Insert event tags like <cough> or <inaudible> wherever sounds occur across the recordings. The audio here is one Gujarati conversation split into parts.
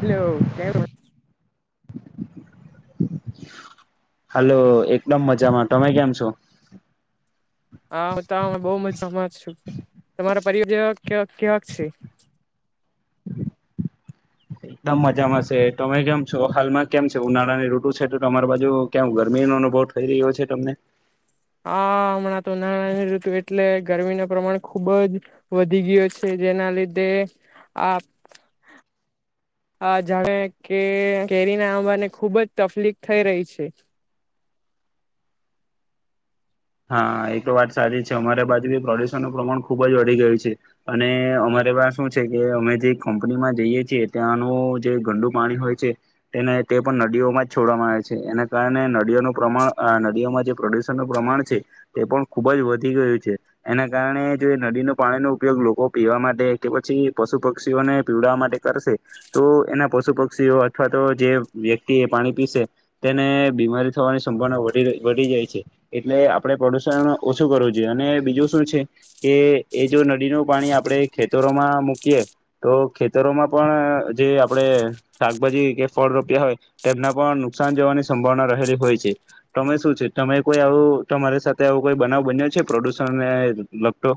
હેલો. <unintelligible> હાલો એકદમ મજામાં તમે કેમ છો? હા હું તો બહ મજામાં છું તમારા પરિવાર જેવા કેવાક કેવાક છે? એકદમ મજામાં છે તમે કેમ છો હાલમાં કેમ છે ઉનાળાની રઋટુ છે તો તમારી બાજુ કેમ ગરમીનોો અનુભવ થઈ રહ્યો છે તમને. હ હમણાં તો નાણાની ઋતુ એટલે ગરમી ન પ્રમાણ ખુબ જ વધી ગયો છે જેના લીધે આ આ જાણે કે કેરીના આંબાને ખુબ જ તકલીફ થઈ રહી છે. હા એ તો વાત સારી છે અમારે બાજુ બી પ્રદુષણનું પ્રમાણ ખુબ જ વધી ગયું છે અને અમારે પા શું છે કે અમે જે કંપનીમાં જઈએ છીએ ત્યાંનું જે ગંડુ પાણી હોય છે તેને તે પણ નદીઓમાં જ છોડવામાં આવે છે એના કારણે નળઓનું પ્રમાણ નળઓમાં જે પ્રદ્યુષણનું પ્રમાણ તે પણ ખૂબ જ વધી ગયું છે એના કારણે જો નદીનો પાણીનો ઉપયોગ લોકો પીવા માટે કે પછી પશુ પક્ષીઓને પીવડવા માટે કરશે તો એના પશુ પક્ષીઓ અથવા તો જે વ્યક્તિ એ પાણી પીસે તેને બીમારી થવાની સંભાવના વધી જાય છે એટલે આપણે પ્રદુષણ ઓછું કરવું જોઈએ અને બીજું શું છે કે એ જો નદીનું પાણી આપણે ખેતરોમાં મૂકીએ તો ખેતરોમાં પણ જે આપણે શાકભાજી કે ફળ રોપ્યા હોય તેમના પણ નુકસાન જવાની સંભાવના રહેલી હોય છે તમે શું છે તમે કોઈ આવું તમારી સાથે આવો કોઈ બનાવ બન્યો છે પ્રોદુસણને લગતો?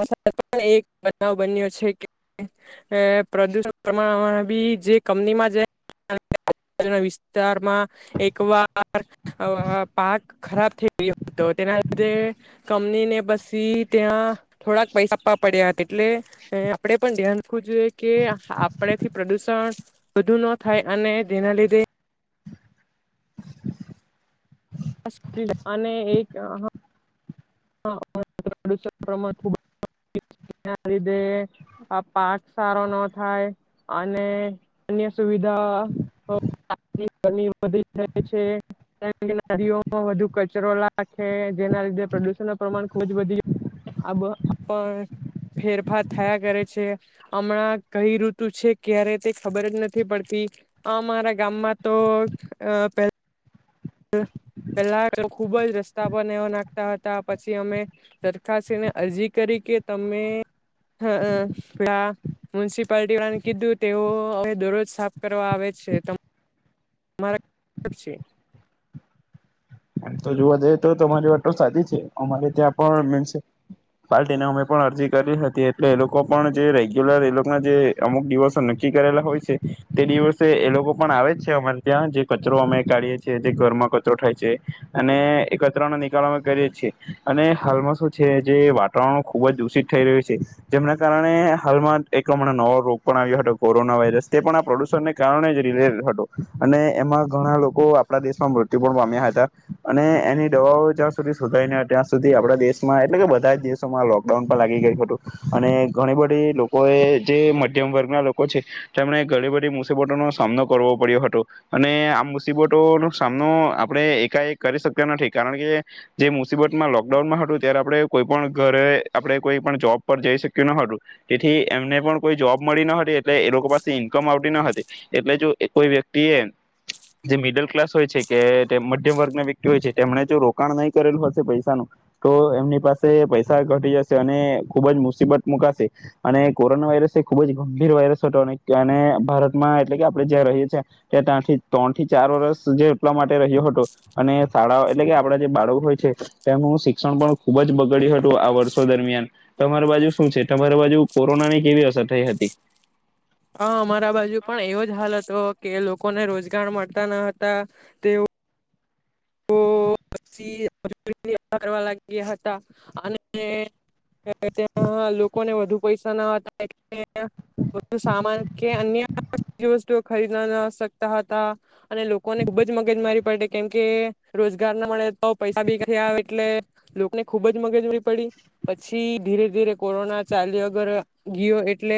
પણ એક બનાવ બન્યો છે કે પ્રદુષણ પ્રમાણમાં બી જે કપનીમાં વિસ્તારમાં એકવાર પાક ખરાબ થઈ ગયો હતો તેના લીધે કંપનીને પછી ત્યાં થોડાક પૈસા આપવા પડ્યા હતા એટલે આપે પણ ધ્યાન રાખવું જોઈએ કે આપણેથી પ્રદુષણ વધુ ન થાય અને જેના લીધે <unintelligible> અને એક <unintelligible> લીધે આ પાક સારો ન થાય અને અન્ય સુવિધા વધી છે નદીઓ વધુ કચરો લાગે જેના લીધે પ્રમાણ ખુબ જ વધી ફેરફાર થયા કરે છે હમણાં કઈ ઋતુ છે ક્યારે તે ખબર જ નથી પડતી અમારા ગામમાં તો પ પેલા તો ખુબ જ રસ્તા પણ એ નાખતા હતા પછી અમે સરરખાને અરજી કરી કે તમે પ મ્યુનિસિપાલટી વાળને કીધું તેઓ દરજ સાફ કરવા આવે છે. મારા <unintelligible> છે. જોવા જઈએ તો તમારી વાત તો સાચી છે અમારે ત્યાં પણ મુન્સીપાર્ટીને અમે પણ અરજી કરી હતી એટલે એ લોકો પણ જે રેગ્યુલર એ લોકોના જે અમુક દિવસો નક્કી કરેલા હોય છે તે દિવસે એ લોકો પણ આવે જ છે અમારે ત્યાં જે કચરો અમે કાઢીએ છીએ જે ઘરમાં કચરો થાય છે. અને એકત્રનો નિકળો અમે કરીએ છીએ અને હાલમાં શું છે જે વાતાવરણ ખૂબ જ દૂષિત થઈ રહ્યું છે જેમના કારણે હાલમાં એક પ્રમાણે નવો રોગ પણ આવ્યો હતો કોરોના વાયરસ તે પણ આ પ્રદુષણને કારણે રિલેડ હતો અને એમાં ઘણા લોકો આપણા દેશમાં મૃત્યુ પણ પામ્યા હતા. અને એની દવાઓ જ્યાં સુધી સુધાઈને ત્યાં સુધી આપણા દેશમાં એટલે કે બધા જ દેશોમાં લોકડાઉન પણ લાગી ગયું હતું અને ઘણી બધી લોકોએ જે મધ્યમ વર્ગના લોકો છે તેમણે ઘણી બધી મુસીબતોનો સામનો કરવો પડ્યો હતો અને આ મુસીબતોનોો સામનો આપડે કઈ કરી શક્યો નથી કારણ કે જે મુસીબતમાં લોકડાઉનમાં હતું ત્યારે આપણે કોઈ પણ ઘરે આપણે કોઈ પણ જોબ પર જઈ શક્યું ન હતું તેથી એમને પણ કોઈ જોબ મળી ન હતી એટલે એ લોકો પાસે ઈન્કમ આવતી ન હતી એટલે જો કોઈ વ્યક્તિ એ જે મિડલ ક્લાસ હોય છે કે વર્ગ વ્યક્તિ હોય છે તેમણે જો રોકાણ નહીં કરેલું હશે પૈસાનું તો એમની પાસે પૈસા ઘટી જશે અને ખુબ જ મુસીબત મુકાશે અને કોરોના વાયરસ એ ખૂબ જ ગંભીર વાયરસ હતો અનેને ભારતમાં એટલે કે આપણે જ્યાં રહીએ છીએ ત્યાં ત્યાંથી ત્રણ થી ચાર વર્ષ જે એટલા માટે રહ્યો હતો. અને શાળાઓ એટલે કે આપણા જે બાળકો હોય છે તેમનું શિક્ષણ પણ ખુબ જ બગડ્યું હતું આ વર્ષો દરમિયાન તમારી બાજુ શું છે તમારી બાજુ કોરોના ની કેવી અસર થઈ હતી? હા અમારા બાજુ પણ એવો જ હાલ હતો કે લોકોને રોજગાર મળતા ન હતા તેઓ <unintelligible> લાગ્યા હતા અને ત્યાં લોકોને વધુ પૈસા ના હતા સામાન કે અન્ય વસ્તુ ખરીદ ના ના શકતા હતા અને લોકોને ખુબ જ મગજ મારી પડતી કેમકે રોજગાર ના મળે તો પૈસા બી આવે એટલે લોકોને ખુબ જ મગજની પડી પછી ધીરે ધીરે કોરોના ચાાલ્યા અગર ગિયો એટલે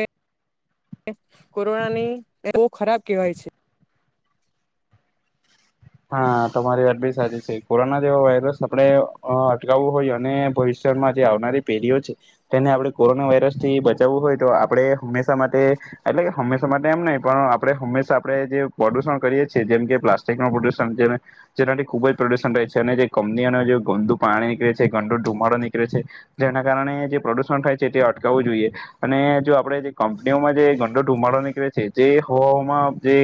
કોરોનાની બહુ ખરાબ કહેવાય છે. હા તમારી વાત બી સાચી છે કોરોના જેવો વાયરસ આપણે અટકાવવું હોય અને ભવિષ્યમાં જે આવનારી પેઢીઓ છે તેને આપડણે કોરોના વાયરસ થી બચાવવું હોય તો આપણે હંમેશા માટે એટલે હંમેશા માટે એમ નહ પણ આપણે હંમેશા આપણે જે પ્રદુષણ કરીએ છીએ જેમ કે પ્લાસ્ટિક ન પ્રદુષણ <unintelligible> જેનાથી ખુબ જ પ્રદુષણ રહે છે અને જે કંપનીઓને જે ગંદુ પાણી નીકળે છે ગંદો ધુમાડો નીકળે છે જેના કારણે જે પ્રદુષણ થાય છે તે અટકાવવું જોઈએ અને જો આપણેે જે કંપનીઓમાં જે ગંદો ધુમાડો નીકળે છે જે હવામાં જે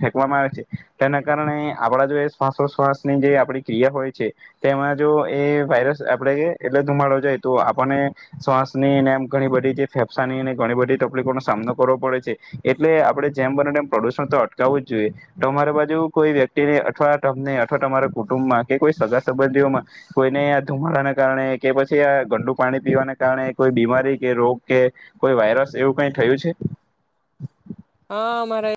ફેંકવામાં આવે છે તેના કારણે આપણા જો એ શ્વાસોશ્વાસની જે આપણી ક્રિયા હોય છે તેમાં જો એ વાયરસ આપણે એટલે ધુમાડો જાય તો આપણને શ્વાસનીનેમ ઘણી બધી જે ફેફસાનીને ઘણી બધી તકલીફોનો સામનો કરવો પડે છે એટલે આપણે જેમ બને તેમ પ્રદુષણ તો અટકાવું જ જોઈએ તોરી બાજુ કોઈ વ્યક્તિ અથવા તમને અથવા તમારા કુટુંબમાં કે કોઈ સગા સંબંધીઓમાં કોઈને આ ધુમાડાને કારણે કે પછી આ ગંડુ પાણી પીવાના કારણે કોઈ બીમારી કે રોગ કે કોઈ વાયરસ એવું કઈ થયું છે? હા મારે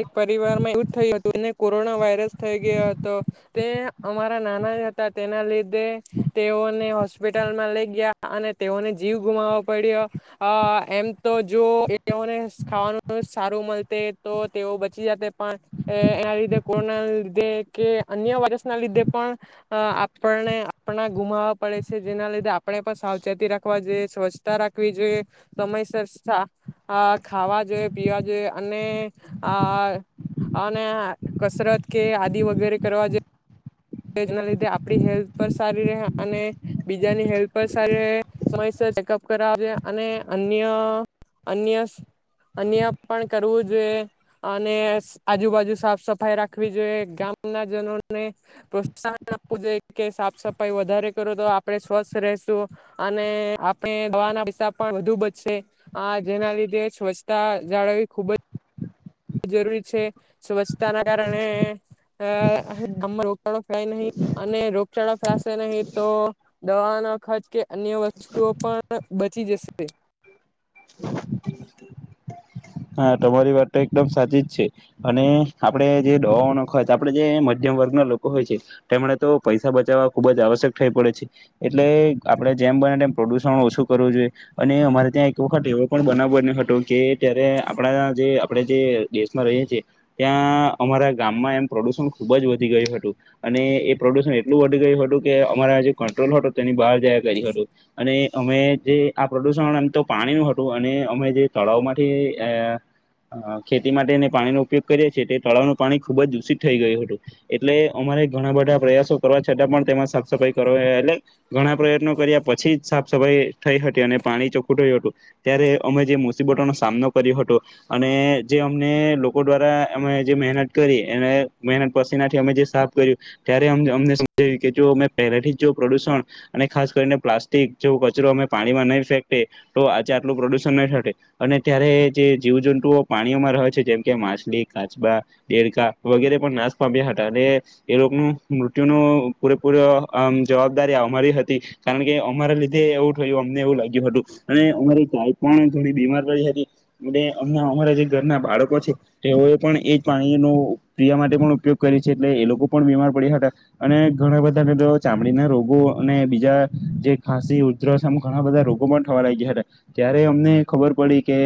એક પરિવારમાં એવુ જ થયું હતું અને કોરોના વાયરસ <unintelligible> થઈ ગયો હતો તે અમારા નાના હતા તેના લીધે તેઓને હોસપી હોસ્પિટલમાં લઈ ગયા અને તેઓને જીવ ગુમાવો પડ્યો એમ તો જો <unintelligible> ખાવાનું સારું મળતે તો તેઓ બચી જાતે પણ એ એના લીધે કોરોના લીધે કે અન્ય વર ના લીધે પણ અ આપણને આપણા ગુમાવવા પડે છે જેના લીધે આપણે પણ સાવચેતી રાખવા જોઈએ સ્વચ્છતા રાખવી જોઈએ સમયસર ખાવા જોઈએ પીવા જોઈએ અને આ અને કસરત કે આદિ વગેરે કરવા જે લીધે આપડી હેલ્થ પર સારી રહે અને બીજાની હેલ્થ પર સારી રહે સમયસર ચેકઅપ કર જોઈએ અને અન્ય અન્ય અન્ય પણ કરવું જોઈએ અને આજુબાજુ સાફ સફાઈ રાખવી જોઈએ ગામના જનોને પ્રોત્સાહન આપવું જોઈએ કે સાફ સફાઈ વધારે કરો તો આપણે સ્વચસ્થ રશું અને આપણે દવાના પૈસા પણ વધુ બચશે આ જેના લીધે સ્વચ્છતા જાળવવી ખુબ જ જરૂરી છે સ્વચ્છતાના કારણે ગામમાં રોગચળો ફાય નહીં અને રોગચાળો ફશે નહી તો દવાનો ખર્ચ કે અન્ય વસ્તુઓ પણ બચી જશે. હા તમારી વાત તો એકદમ સાચી જ છે અને આપડણે જે દવાઓનો ખ આપણે જે મધ્યમ વર્ગના લોકો હોય છે તેમણે તો પૈસા બચાવવા ખુબ જ આવશ્યક થઈ પડે છે એટલે આપણે જેમ બને તેમ પ્રદુષણ ઓછું કરવું જોઈએ અને અમારે ત્યાં એક વખત એવો પણ બનાવ હતો કે ત્યારે આપણા જે આપણે જે દેશમાં રહીએ છીએ ત્યાં અમારા ગામમાં એમ પ્રદુષણ ખૂબ જ વધી ગયું હતું અને એ પ્રદુષણ એટલું વધી ગયું હતું કે અમારા જે કંટ્રોલ હતો તેની બહાર કરી હત અને. અમે જે આ પ્રદુષણ એમ તો પાણી નું હતું અને અમે જે તળાવ માંથી અ ખેતી માટેને પાણીનો ઉપયોગ કરીએ છ છેીએ તે તળાવનું પાણી ખૂબ જ દૂષિત થઈ ગયું હતું એટલે અમારે ઘણા બધા પ્રયાસો કરવા છતાં પણ તેમાં સાફ સફાઈ કરવા એટલે ઘણા પ્રયત્નો કર્યા પછી જ સાફ સફાઈ થઈ હતી અને પાણી ચોખ્ખુંટયું હતું ત્યારે અમે જે મુસીબટોનો સામનો. કર્યું હત અને જે અમને લોકો દ્વારા અમે જે મહેનત કરી અને મહેનત પસીનાથી અમે જે સાફ કર્યું ત્યારે અમને સમજાવ્યું કે જો અમે પહેલાથી જો પ્રદુષણ અને ખાસ કરીને પ્લાસ્ટિક જો કચરો અમે પાણીમાં નહીં ફેંકે તો આજે આટલું પ્રદુષણ નહીં થટે અને ત્યારે જે જીવજંતુઓ પાણીઓમાં રહે છે જેમ કે માછલી કાચબા ડેરકા વગેરે પણ નાશ પામ્યા હતા અને એ લોકોનું મૃત્યુ ન પૂરેપૂરો જવાબદારી અમારી હતી કારણ કે અમારા લીધે એવું થયું અમને એવું લાગ્યું હતું અને અમારી ગાય પણ ઘણી બીમાર પડી હતી. એ અમ અમારા જે ઘરના બાળકો છે તેઓએ પણ એજ પાણીનો પવા માટે પણ ઉપયોગ કર છે એટલે એ લોકો પણ બીમાર પડ્યા હતા અને ઘણા બધા ચામડીના રોગો અને બીજા જે ખાસી ઉધરસમ ઘણા બધા રોગો પણ થવા લાગયા હતા ત્યારે અમને ખબર પડી કે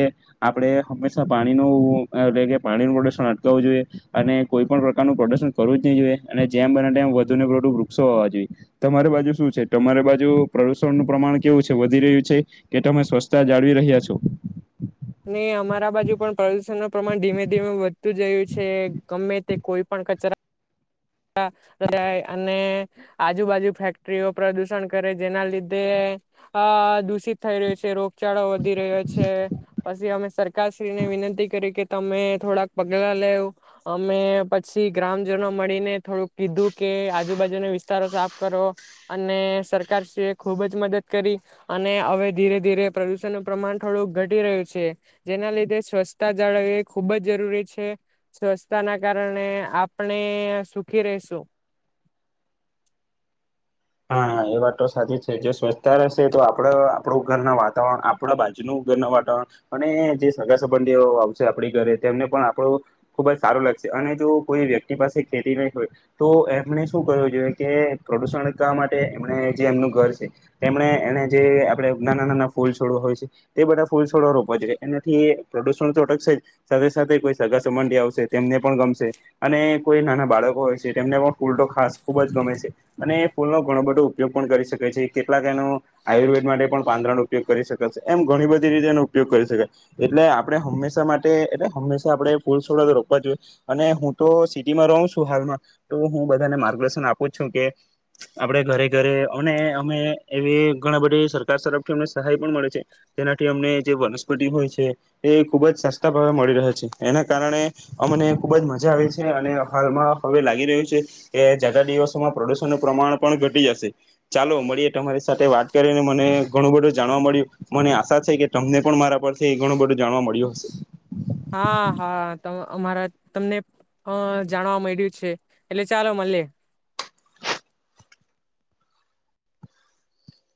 આપણે હંમેશા પાણીનું એટલે કે પાણીનું પ્રદુશન અટકાવવું જોઈએ અને કોઈ પણ પ્રકારનું પ્રદુશન કરવું જ નહી જોઈએ અને જેમ બને તેમ વધુનેું વૃક્ષો હોવા જોઈએ તમારી બાજુ શું છે તમારી બાજુ પ્રદુષણનુંું પ્રમાણ કેવું છે વધી રહ્યું છે કે તમે સ્વચ્છતા જાળવી રહ્યા છો. અનેને અમારા બાજુ પણ પ્રદુષણ ન પ્રમાણ ધીમે ધીમે વધ. જયું છે ગમે તે કોઈ પણ કચરાાય અને આજુબાજુ ફેક્ટરીઓ પ્રદુષણ કરે જેના લીધે દૂષિત થઈ રહ્યું છે રોગ. ચડો વધી રહ્યો છે. પછી અમે સરકારશ્રીને વિનંતી કરી કે તમે થોડાક પગલા લેવ અમે પછી ગ્રામજનો મળીને થોડુંક કીધું કે આજુબાજુના વિસ્તારો સાફ કરો અને સરકારશ્રી એ ખુબ જ મદદ કરી અને હવે ધીરે ધીરે પ્રદુષણ નું પ્રમાણ થોડું ઘટી રહ્યું છે. છે જેના લીધે સ્વચ્તા જાળવવી એ ખૂબ જ જરૂરી છે સ્વચ્છતાના કારણે આપણે સુખી રશું. હા એ વાત તો સાચી જ છે જે સ્વચ્છતા રહેશે તો આપણા આપણું ઘરના વાતાવરણ આપણા બાજુનું ઘરના વાતાવરણ અને જે સગા સંબંધીઓ આવશે આપડી ઘરે તેમને પણ આપણું ખુબ જ સારું લાગશે અને જો કોઈ વ્યક્તિ પાસે ખેતી નહી હોય તો એમને શું કરવું જોઈએ કે પ્રદુષણ કા માટે એમણે જે એમનું ઘર છે તેમણે એને જે આપણે નાના નાના ફૂલ છોડો હોય છે તે બધા ફૂલ છોડો રોપવા જોઈએ એનાથી પ્રદૂષણ તો અટકશે જ સાથે સાથે કોઈ સગા સંબંધી આવશે તેમને પણ ગમશે અને કોઈ નાના બાળકો હોય છે તેમને પણ ફૂલ તો ખાસ ખૂબ જ ગમે છે અને ફૂલનો ઘણો બધો ઉપયોગ પણ કરી શકેાય છે કેટલાક એનો આયુર્વેદ માટે પણ પાંદરાનોો ઉપયોગ કરી શકાય છે એમ ઘણી બધી રીતે એનો ઉપયોગ કરી શકાય એટલે આપણે હંમેશા માટે એટલે હંમેશા આપણે ફૂલ છોડ રોકવા જોઈએ અને હું તો સિટીમાં રહઉું છું હાલમાં તો હું બધાને માર્ગદર્શન આપું છું કે. આપણે ઘરે ઘરે અને અમે એવી ઘણા બધી સરકાર તરફથી અમને સહાય પણ મળે છે તેનાથી અમને જે વનસ્પતિ હોય છે એ ખુબ જ સસ્તા ભાવે મળી રહે છે એના કારણે અમને ખુબ જ મજા આવે છે અને હાલમાં હવે લાગી રહ્યું છે કે જાતાા દિવસોમાં પ્રદુષણ પ્રમાણ પણ ઘટી જશે ચાલો મળીએ તમારી સાથે વાત કરીને મને ઘણું બધું જાણવા મળ્યું મને આશા છે કે તમને પણ મારા પરથી ઘણું બધું જાણવા મળ્યું હશે. હા હા અમારા તમને જાણવા મળ્યું છે એટલે ચાલો મળે.